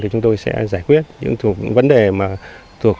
thì chúng tôi sẽ giải quyết